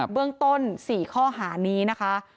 เรื่องต้น๔ข้อหานี้นะคะ